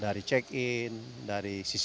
dan ini terhubung dengan commonsaf spirits